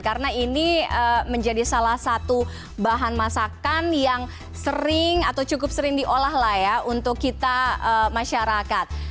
karena ini menjadi salah satu bahan masakan yang sering atau cukup sering diolah untuk kita masyarakat